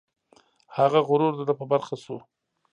هغه غرور د ده په برخه شو.